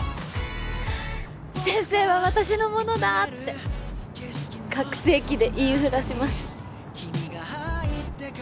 「先生は私のものだ」って拡声器で言いふらします